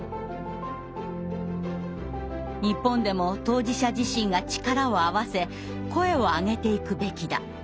「日本でも当事者自身が力を合わせ声を上げていくべきだ。